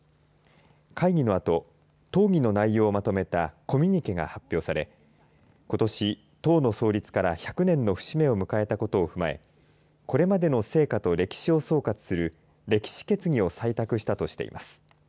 会議のあと討議の内容をまとめたコミュニケが発表されことし、党の創立から１００年の節目を迎えたことを踏まえこれまでの成果と歴史を総括する歴史決議を採択したとしています。